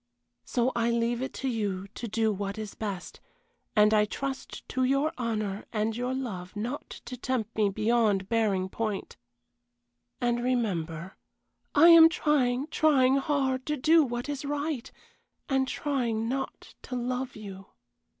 So I leave it to you to do what is best, and I trust to your honor and your love not to tempt me beyond bearing point and remember, I am trying, trying hard, to do what is right and trying not to love you.